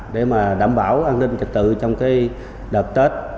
để mà đảm bảo an ninh trật tự trong đợt tết